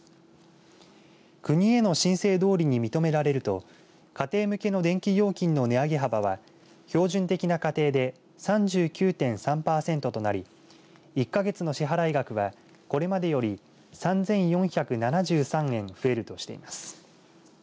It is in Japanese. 国への申請どおりに認められると家庭向けの電気料金の値上げ幅は標準的な家庭で３９．３パーセントとなり１か月の支払い額はこれまでより３４７３円増えるとしています。